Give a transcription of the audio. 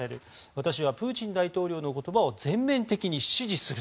私はプーチン大統領の言葉を全面的に支持する！